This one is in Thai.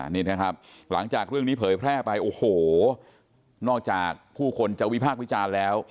นี่นะครับหลังจากเรื่องนี้เผยแพร่ไปโอ้โหนอกจากผู้คนจะวิพากษ์วิจารณ์แล้ว